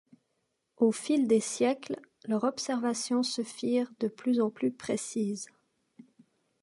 Au fil des siècles, leurs observations se firent de plus en plus précises.